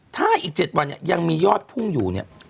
ถ้าอีก๗วันเนี่ยยังมียอดพุ่งอยู่เนี่ย